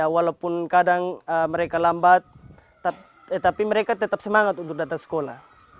walaupun kadang mereka lambat tetapi mereka tetap semangat untuk datang sekolah